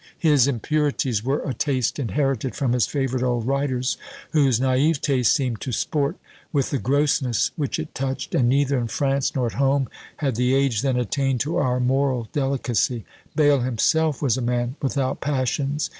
His impurities were a taste inherited from his favourite old writers, whose naÃŸvetÃ© seemed to sport with the grossness which it touched, and neither in France nor at home had the age then attained to our moral delicacy: Bayle himself was a man without passions!